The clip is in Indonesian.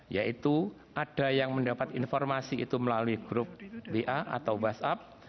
yaitu ada yang mendapat informasi itu melalui grup wa atau whatsapp